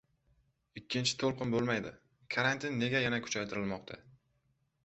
«Ikkinchi to‘lqin bo‘lmaydi». Karantin nega yana kuchaytirilmoqda?